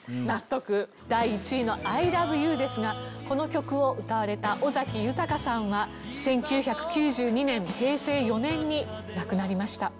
第１位の『ＩＬＯＶＥＹＯＵ』ですがこの曲を歌われた尾崎豊さんは１９９２年平成４年に亡くなりました。